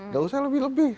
gak usah lebih lebih